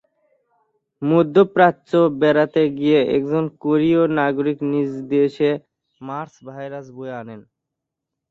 মধ্যপ্রাচ্যে বেড়াতে গিয়ে একজন কোরীয় নাগরিক নিজ দেশে মার্স ভাইরাস বয়ে আনেন।